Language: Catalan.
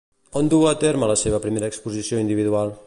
On duu a terme la seva primera exposició individual?